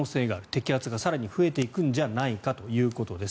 摘発が更に増えていくんじゃないかということです。